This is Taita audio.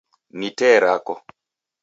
Ni tee rako.